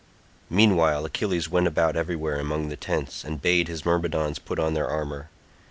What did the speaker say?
Meanwhile Achilles went about everywhere among the tents, and bade his Myrmidons put on their armour.